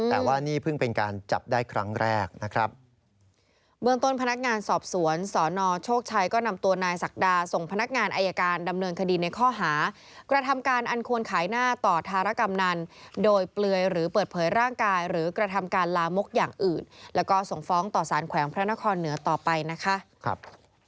แต่ว่านี่เพิ่งเป็นการจับได้ครั้งแรกนะครับ